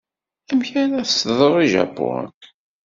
Amek ara as-teḍru i Japun?